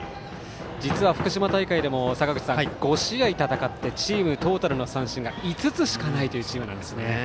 実は福島大会でも５試合戦ってチームトータルの三振が５つしかないチームなんです。